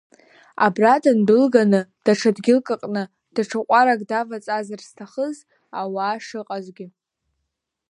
Абра дындәылганы, даҽа дгьылк аҟны, даҽа ҟәарак даваҵазар зҭахыз ауаа шыҟазгьы.